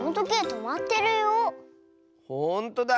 ほんとだ！